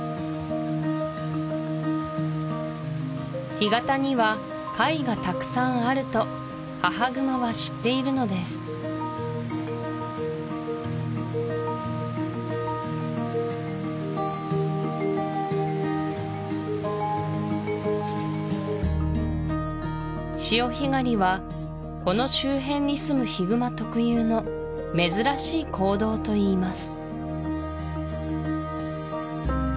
干潟には貝がたくさんあると母グマは知っているのです潮干狩りはこの周辺にすむヒグマ特有の珍しい行動といいます